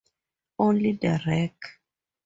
Only the Rec.